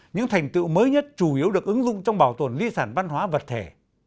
những thành tựu mới nhất chủ yếu được ứng dụng trong bảo tồn di sản văn hóa vật thể